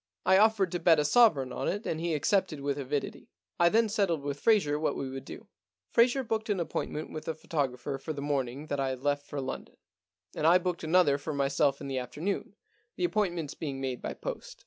I offered to bet a sovereign on it and he accepted with avidity. I then settled with Fraser what we would do. Fraser booked an appointment with the photographer for the morning that I left for London, and I booked another for m.yself in the afternoon, the appointments being made by post.